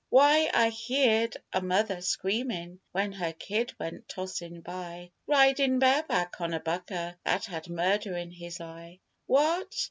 Why, I heerd a mother screamin' when her kid went tossin' by Ridin' bareback on a bucker that had murder in his eye. What?